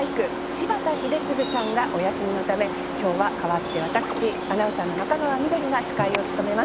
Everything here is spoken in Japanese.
柴田英嗣さんがお休みのため今日は代わって私アナウンサーの中川緑が司会を務めます。